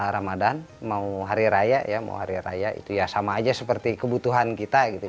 ramadhan mau hari raya ya mau hari raya itu ya sama aja seperti kebutuhan kita gitu